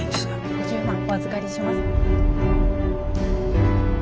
５０万お預かりします。